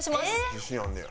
自信あるねや。